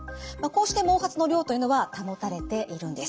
こうして毛髪の量というのは保たれているんです。